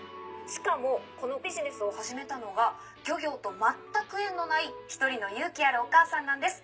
しかもこのビジネスを始めたのが漁業と全く縁のない一人の勇気あるお母さんなんです。